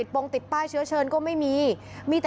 ปงติดป้ายเชื้อเชิญก็ไม่มีแต่